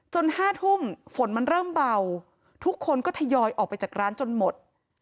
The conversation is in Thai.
๕ทุ่มฝนมันเริ่มเบาทุกคนก็ทยอยออกไปจากร้านจนหมด